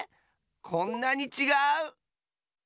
こんなにちがう！